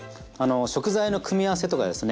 食材の組み合わせとかですね